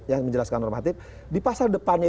yang menjelaskan normatif di pasar depannya